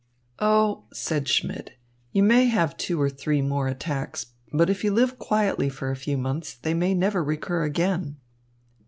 "Oh," said Schmidt, "you may have two or three more attacks, but if you live quietly for a few months, they may never recur again."